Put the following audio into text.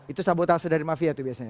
itu sabotase dari mafia tuh biasanya